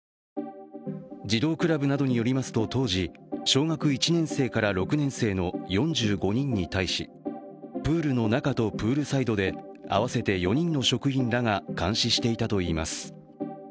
児童クラブなどによりますと、当時、小学１年生から６年生の４５人に対しプールの中とプールサイドで、合わせて４人の職員らが監視していたといいます。